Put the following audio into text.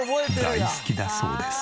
大好きだそうです。